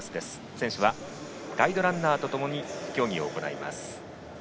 選手はガイドランナーとともに競技を行います。